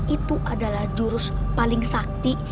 itu adalah jurus paling sakti